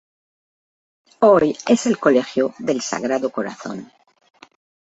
Hoy es el Colegio del Sagrado Corazón.